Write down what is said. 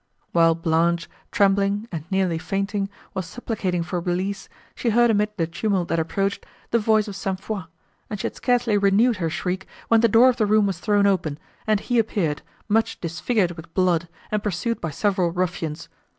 While Blanche, trembling, and nearly fainting, was supplicating for release, she heard amid the tumult, that approached, the voice of St. Foix, and she had scarcely renewed her shriek, when the door of the room was thrown open, and he appeared, much disfigured with blood, and pursued by several ruffians.